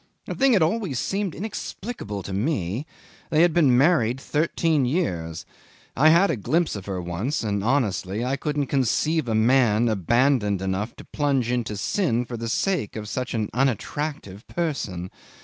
The thing had always seemed inexplicable to me: they had been married thirteen years; I had a glimpse of her once, and, honestly, I couldn't conceive a man abandoned enough to plunge into sin for the sake of such an unattractive person.